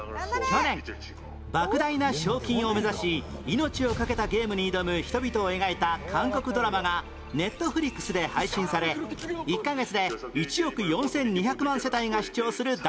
去年莫大な賞金を目指し命を懸けたゲームに挑む人々を描いた韓国ドラマが Ｎｅｔｆｌｉｘ で配信され１カ月で１億４２００万世帯が視聴する大ヒットに